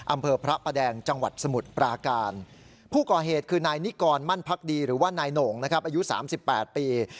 อำเผอพระประแดงจังหวัดสมุทธปราการผู้ก่อเหตุคือนายนิกรมั่นพักดีหรือว่ายุสามสิบแปดปี